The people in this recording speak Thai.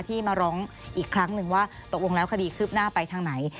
ที่มาร้องอีกครั้งหนึ่งว่าตกลงแล้วคดีคืบหน้าไปทางไหน